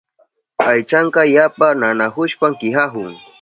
Aychanka yapa nanahushpan kihahun.